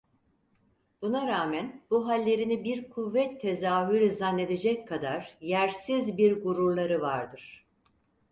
Buna rağmen bu hallerini bir kuvvet tezahürü zannedecek kadar yersiz bir gururları vardır…